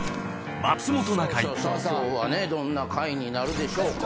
さあさあ今日はねどんな回になるでしょうか。